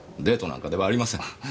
デートなんかではありません。